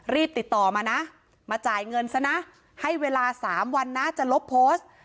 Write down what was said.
รีบติดต่อมานะมาจ่ายเงินซะนะให้เวลา๓วันนะจะลบโพสต์